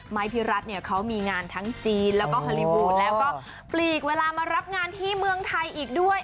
พี่รัฐเนี่ยเขามีงานทั้งจีนแล้วก็ฮอลลี่วูดแล้วก็ปลีกเวลามารับงานที่เมืองไทยอีกด้วย